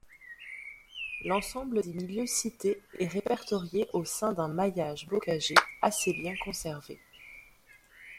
L’ensemble des milieux cités est répertorié au sein d’un maillage bocager assez bien conservé.